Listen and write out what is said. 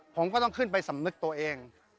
ผมก็ต้องขึ้นไปสำนึกตัวเอง